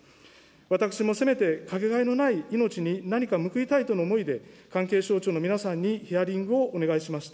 私もせめて掛けがえのない命に何か報いたいとの思いで、関係省庁の皆さんにヒアリングをお願いしました。